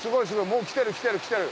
もう来てる来てる来てる！